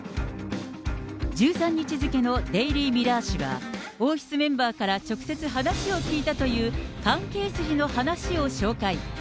１３日付のデイリー・ミラー紙は、王室メンバーから直接話を聞いたという関係筋の話を紹介。